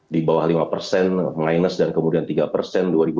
di bawah lima persen minus dan kemudian tiga persen